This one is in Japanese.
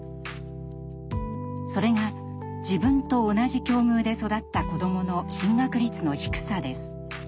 それが自分と同じ境遇で育った子どもの進学率の低さです。